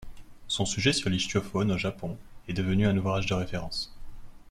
Son sujet sur l'ichtyofaune au Japon est devenu un ouvrage de référence.